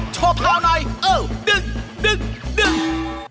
โชว์เผาหน่อยเอ้าดึงดึงดึง